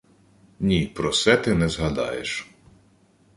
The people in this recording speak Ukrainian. Ні, про се ти не згадаєш: